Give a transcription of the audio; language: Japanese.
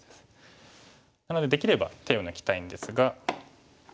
なのでできれば手を抜きたいんですが。